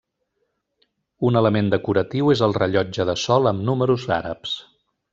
Un element decoratiu és el rellotge de sol amb números àrabs.